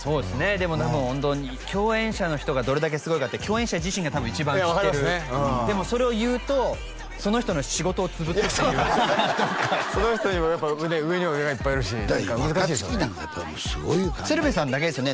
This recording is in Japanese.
でも共演者の人がどれだけすごいかって共演者自身が多分一番知ってる分かりますねでもそれを言うとその人の仕事をつぶすっていうその人にも上には上がいっぱいいるし若槻なんかやっぱりすごいよな鶴瓶さんだけですよね